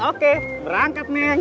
oke berangkat neng